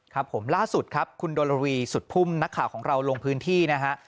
ครับผมล่าสุดครับคุณโดรวีสุดพุ่มนักข่าวของเราลงพื้นที่นะฮะ